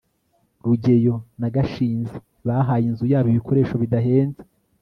rugeyo na gashinzi bahaye inzu yabo ibikoresho bidahenze